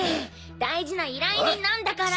大事な依頼人なんだから！